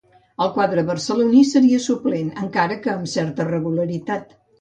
Al quadre barceloní seria suplent, encara que amb certa regularitat.